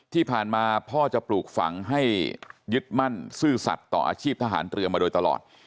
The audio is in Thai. ที่ผ่านมาพ่อจะปลูกฝังให้ยึดมั่นซื่อสัตว์ต่ออาชีพทหารเรือมาโดยตลอด